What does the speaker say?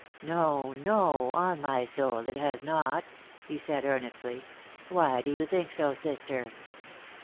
"No, no; on my soul it has not," he said, earnestly. "Why do you think so, sister?"